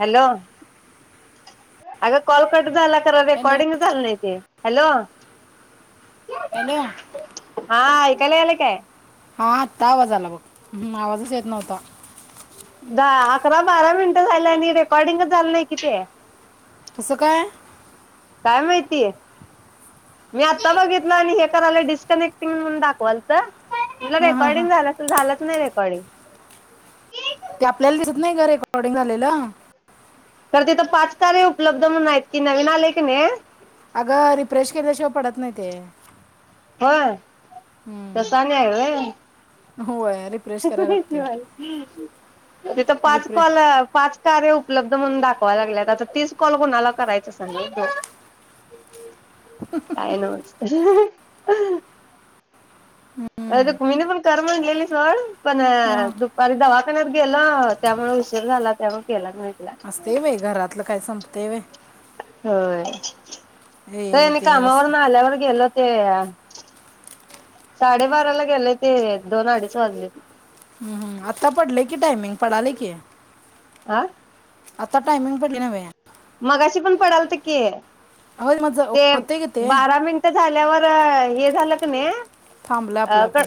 Hello अग call cut झाला खरं हॅलो रेकॉर्डिंग झालं नाही ते हॅलो हॅलो हा ऐकायला यायलयं काय? हा आत्ता आवाज आला बघ हम् आवाजच येत नव्हता दहा अकरा बारा मिनिटं झाल्ं आणि रेकॉर्डिंगच झालं नाही की ते कसं काय काय माहिती मी आत्ता बघितलं आणि हे करायला डिस्कनेक्टिंग म्हणून दाखवालत म्हटल हां हां हां रेकॉर्डिंग झालं असल झालंच नाही रेकॉर्डिंग ते आपल्याला दिसत नाही ग रेकॉ डिंग झालेलं तर तिथं पाच कार्य उपलब्ध म्हणून आहेत की नवीन आलंय कणी अगं रिफ्रेश केल्याशिवाय पडत नाही ते होय तस हम्म, आणि हाय होय होय रिफ्रेश करायला लागते [unintelligible] तिथं पाच रिफ्रेश कॉल पाच कार्य उप उपलब्ध म्हणून दाखवालागल्यात तीस कॉल कोणाला करायच सांग काय नव्हंच ह ह ह [inaudible] रुक्मिणी पण कर म्हटलेली सोड पण हां दुपारी दवाखान्यात गेलो त्यामुळे उशीर झाला त्यामुळे केला नाही असतय बई घरातलं काय संपतय व्हय व्हय व्हय हे हेनी ते कामावरंन असतं आल्यावर गेलं ते आ साडेबाराला गेलं ते दोन अडीच वाजले हम्म् आता पडलंय की टायमिंग पडालय की आं आता टायमिंग पडलंय नव्हे मगाशी पण पडालत की हो मग ज- ते होते की ते बारा मिनिट झाल्यावर हे झालं कणी थांबलं अ आपलं आपण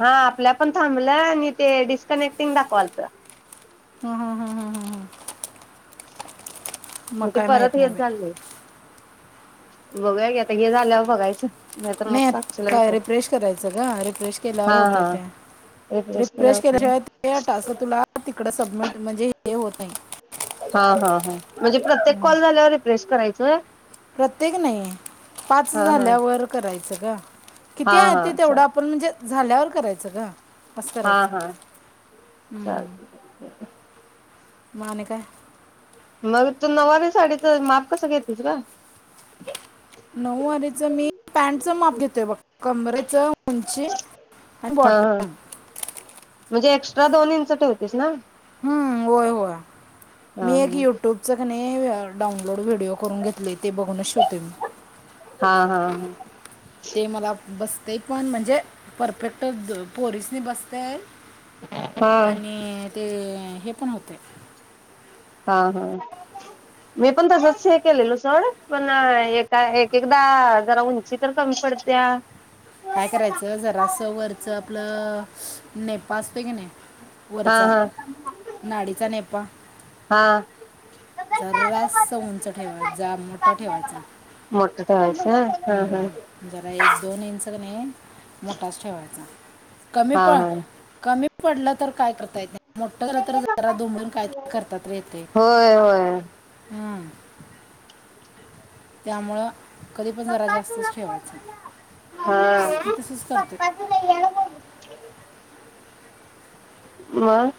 हा आपल्या पण थांबलं आणि ते डिस्कनेक्टिंग दाखवालत हा हा हा हा हा मग ते परत नाही हेच बाई झाले बघूया की आता हे झाल्यावर बघायच नाही काय रिफ्रेश करायचं ग रिफ्रेश हा केल्यावर होतेय हा ते केला रिफ्रेश होत केल्याशिवाय ते टास्क तुला तिकड सबमिट म्हणजे हे होत नाही हा हा हा म्हणजे प्रत्येक कॉल झाल्यावर रिफ्रेश करायचंय होय प्रत्येक नाही पाच हा हा झाल्यावर करायचं का किती हा आहेत हा ते तेवढ चाल आपण म्हणजे झाल्यावर करायचं ग हा हा चालतय की मग आणि काय मग तू नऊवारी साडीच माप कस घेतेस ग नऊवारीच मी पॅन्टच माप घेतोय बघ कमरेच उंची आणि हा हा बॉटम म्हणजे एक्स्ट्रा दोन इंच ठेवतेस ना हम्म होय होय हा मी एक युट्यूबच का नाही मी डाउनलोड व्हिडिओ करून घेतलोय ते बघूनच शिवतोय मी हा हा हा ते मला बसत ते पण म्हणजे परफेक्ट पोरीसनी बसतय हा आणि ते हे पण होतय हा हा मी पण तसच हे केलेलो सोड पण हे काय एक एक एकदा जरा उंची तर कमी पडत्या काय करायचं जरास वरच आपल नेपा असतोय का नाही हा वरचा हा नाडीचा नेपा हा जरास उंच ठेवायचा जा मोठा ठेवायचा [unintelligible] हा हा हम्म जरा एक दोन इंच तो कनाय मोठाच ठेवायचा कमी हा पण हा कमी पडलं तर काय करता येत नाही मोठ झाल तर जरा दुबडून कायतरी करता तरी येतय होय होय हम्म त्यामुळं कधी पण जरा जास्तच ठेवायचं हा. मी तसच करतोय मं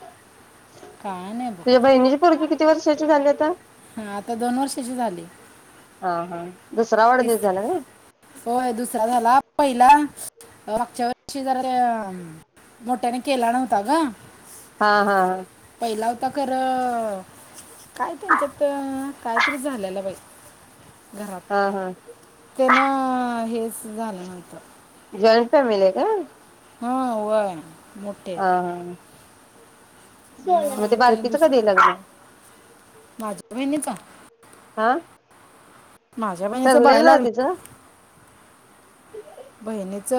काय नाही तुझ्या बघ बहिनीची पुरगी किती वर्ष त्याचे झाले आता हा आता दोन वर्षाची झाली हा हा दुसरा तिस वाढदिवस झाला का? होय दुसरा झाला पहिला मागच्या वर्षी जरा मोठ्याने केला नव्हता गं हा हा हा केला होता खर काय त्यांच्यात कायतरी झाल्याला बाई हा हा तेन हेच झाल नव्हतं जॉईंट फॅमिली हाय काय? ह वय ह ह म ते दुस, कधी लग्न? माझ्या बहिणीचा? हा माझ्या बहिणीचं ठरलेलं बगायला ना लाग तिचं? बहिणीच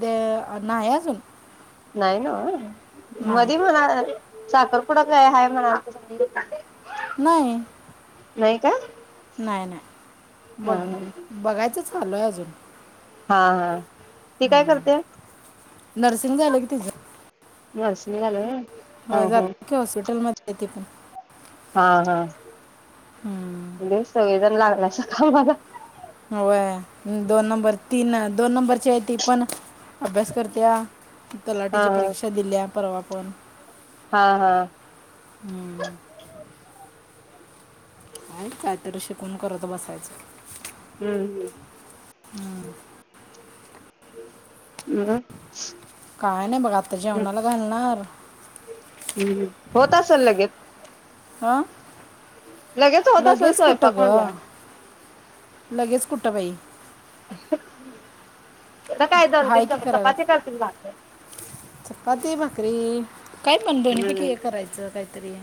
दया नाहि अजून नाही नव्ह नाही मधी म्हणाल साखरपुडा काय हाय म्हणालतीस आणि नाही नाही का? नाही नाही हा बघ हा बघायचंच चालूय अजून हा हा ती काय करते? हम्म नर्सिंग झालं की तिझं सणी झाल्या व्हय? हा होय हा जाते कि हॉस्पिटल मध्ये येते ती पण हम्म. हॅलो सगळेजण ला अस का माझा व्हय दोन नंबर तीन दोन नंबरची आहे ती पण अभ्यास करत्या हा तलाठीची हा. परीक्षा दिल्या परवा पन हा हा हम्म आहेत काय तर शिकून करत बसायचं हम्म हम्म हम मग काय नाय बघ आता जेवणाला घालणार हम्म. होत असेल लगेच आं लगेच होत असेल स्वयपाक म्हणल्यावर लगेच कुटं बाई [unintelligible] तेला काय दोन-तीन हाय की तेव करायला चपाती करतील भाकर चपाती भाकरी काय पण, दोनी पैकी एक करायचं काय तरी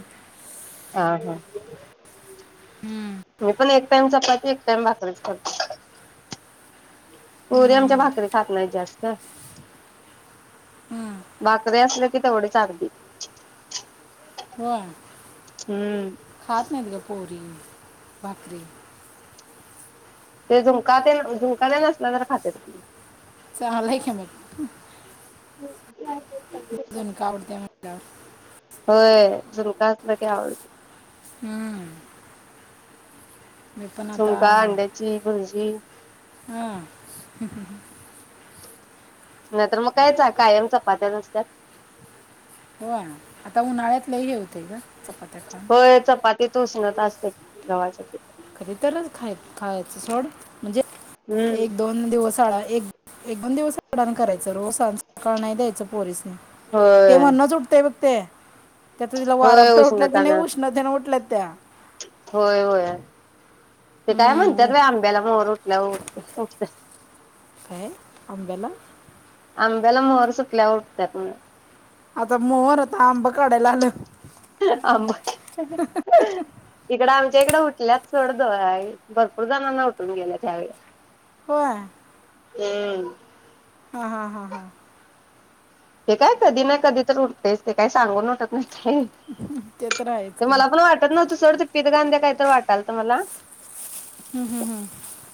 आं, हां हम्म. तुमी पण एक टाइम चपात एक टाइम भाकरीच करते पोरी आमच्या भाकरी खात नाहीत जास्त भाकरी असलं ते तेवढंच आगदी व्हय खात नाइत गं पोरी भाकरी ते झुणका तेन, झुणका तेन असलं तर खात्यात कि चांल्हांय कि मग, हम् [unintelligible] अजून का आवडतंय म्हटल्यावर जनुकातलं क्याळ हम्म मी पण आता झुणका, अंड्याची भुर्जी हां [unintelligible] नाही तर मग काय चा कायमचा पातळ असत्यात हो आना, आता उन्हाळ्यात लई हे हुतंय गं होय, चपाती तो सुणत असतोय गव्हासाठी कधी तरच खायचं सोड म्हणजे हम्म एक-दोन दिवसा आळा एक एक-दोन दिवस [unintelligible] करायचं, रोज संस्कार नाय द्यायचं पोरीसनी ते होय म्हणूच उठतंय बग ते त्यात तिला होय वाराफोड्या उटल्यात उष्णता क नाय ना उष्णतेन उटल्यात त्या होय होय ते काय म्हणतात हम्म, बाई आंब्याला मोहोर [inaudible] काय आंब्याला आंब्याला मोहर सुटल्यावर उठत्यात म्हण आता मोहर आता आंब काढायला आलं [inaudible] इकड आम [unintelligible] भरपूर जणांना उठून गेलं यावेळी होय हम्म हा हा हा हा ते काय कधी ना कधी तर तेच ते काय सांगून उठत नाही ते [inaudible] तर आहेच ते की मला पण हम्म, वाटत नव्हतं सोड [inaudible] काही तर वाट काल तुम्हाला हम्म, हम्म.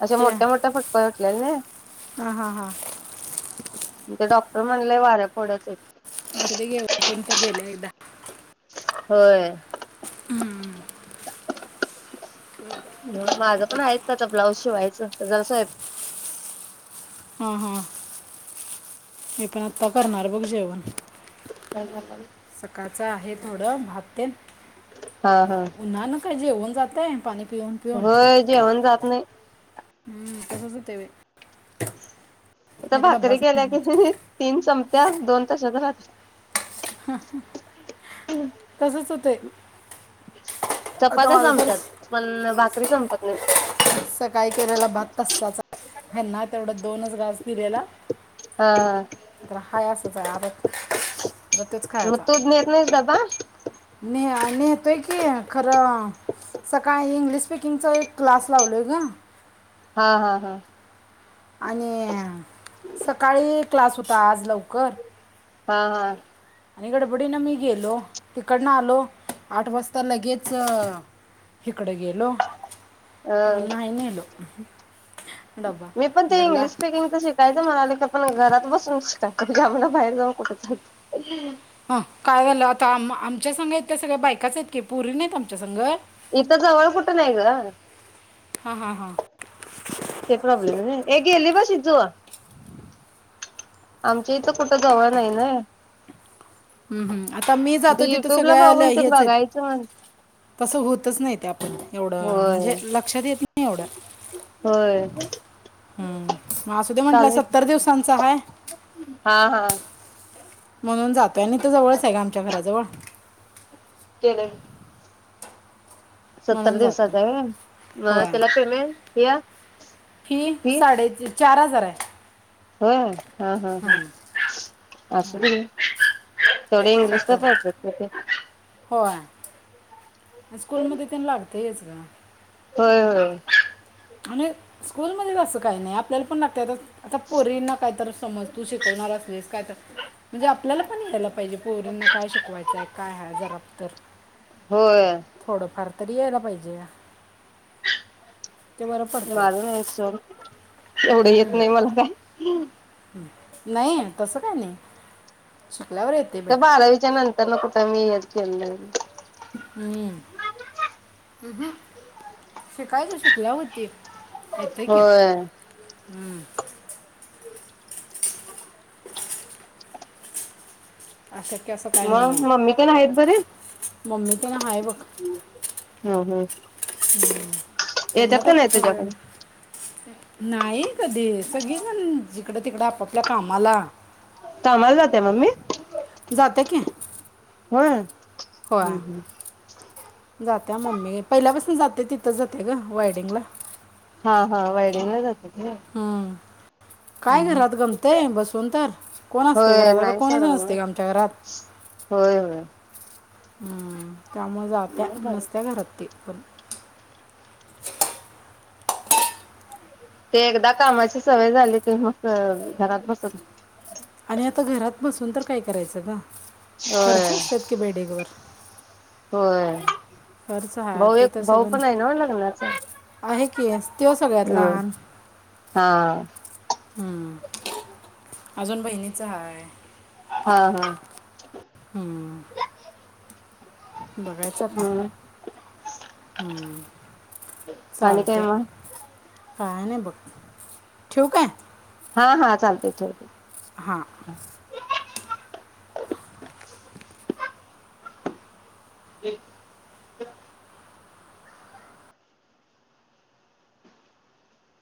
अशा ते मोठ्या मोठ्या फुटकुळ्या उठलेल्या नाही हा हा हा ते डॉक्टर म्हणलेय वाऱ्या फोड्याचयत आता ते गे उठून तर गेल्या एकदा होय माझं पण आहेत त्याचा ब्लाऊज जेवायच [inaudible] हा हा हे पण आता करणार बघ जेवण स्वयंपाक [inaudible] सकाळचा आहे थोडं भात तेन हा हा उन्हान काय जेवण जात [inaudible] पाणी पिऊन पिऊन होय जेवण जात नाही हम्म, तसंच होतय [inaudible] आता भाकरी केल्या की आणत. [inaudible] तीन संपत्यात दोन तशाच राह तसंच होते [inaudible] आता चपात्या माझं तर संपत्यात पण बाकी तरी संपत नाही हा सकाळी केलेला भात तसाच हाय हेंना तेवढ दोनच घास दिलेला हा तर हाय असच आहे आता [inaudible] तोच मग खायचा तू नेत नाहीस डबा न [inaudible] न्हेतोय की खरं सकाळी इंग्लिश स्पिकिंगच क्लास लावलंय का हा हा हा आणि सकाळी क्लास हु का आज लवकर? हा हा आणि गडबडीनं मी गेलो, तिकडनं आलो आठ वाजता लगेच हिकडं गेलो तर अ नाही न्हेलो उहू मी पण ते इंग्लिश स्पीकिंगच शिकायचं म्हणालोय खरं पण घरात बस [unintelligible] कधी आम्हांला बाहेर जाऊं कुठच हा काय झाल आता आम आमच्या संगयेत त्या सगळ्या बायकाचयेत की पुरी नईत आमच्या संग इत जवळ कुठं नाई गं हां हां हां ते प्रॉब्लेम व्हय ये गेली ब शिजू आमची इत कुठं जवळ नाई नई हम्म हम् आता मी जातोय तिथं युट्यूबला सगळ्या ल्या बघून ते हेच आईत बघायचं म्हण तसं हुतच नई ते आप एवढं होय म्हणजे लक्षात येत ना ई एवढं होय हम् म असूदे म्हणला सत्तर चालेल दिवसांच हाय हा हा म्हणून जातोय नहितर जवळच हाय गं आमच्या घराजवळ केलंय सत्तर म्हणून जातो दिवसाचा आय वय मग होय त्याला पेमेंट ह्य फी चार हजाराय होय ह ह ह असुदे घे थोडी इंग्लिशला सत्तर पळत्यात गं ते हॅस्कूल मदे तेन लागतंयच गं होय होय आणि स्कूल मदेच अस काय नई आ आपल्याला पण लागतंय आता आता पोरींना काय तर समज तू शिकवणार असलीस काय तर म्हणजे आपल्याला पण यायला पाहिजे पोरींना काय शिकवायचाय आय काय हाय जरा तर होय थोडंफार तरी यायला पाहिजे ते बरं पडते मारून याय सोड एवढं येत नई मला काय हम् नाई तसं काय नई च्या ते बारावीच्या नंतर न कुट मी यत चल हूं अह शिकायच शिकल्यावर व्हती येेतय कि होय हूं अशक्य असं काय म नाही मम्मी तेण आहेत बरे तेन हाय बघ हम्म हम्म हूं त्यांना येतात तर का नाही कुठ वेळ तुझ्याकडे नाही कधी सगळीजण जिकडंतिकडं आपापल्या कामाला कामाला जात्या मम्मी जात्या कि होय हूं हूं त्या मम्मी पहिल्यापासन जाते तिथं जाते ग वायडिंगला हा हा वायडिंगला जाते. हूं काय घरात गमतय बसून तर कोण असतय होय घराकड नाही कोणाच सोडलं मग. नसतंय अग आमच्या घरात होय होय हम्म त्यामुळे जात्या नसत्या घरात ती पण ते एकदा कामाची सवय झाली की मग घरात बसत आणि आता घरात बसून तर काय करायचं ग होय. खर्च असत्यात कि बाई ढिगभर होय खर्च हाय भाऊ ते एक तर भाऊ सगळं पण आहे ना लग्नाचा. आहे की त्यो सगळ्यात होय. लहान हा हम्म अजून बहिणीच हाय हा हा हम बघायचं आता हम्म हूं आणि काय मग काय नाय बघ ठिऊ काय. हा हा चालतंय ठेव ठेव हा वि द्या